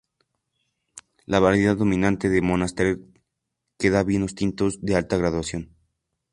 La variedad dominante es la Monastrell, que da vinos tintos de alta graduación.